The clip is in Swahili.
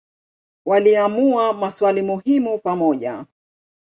Waliamua maswali muhimu pamoja.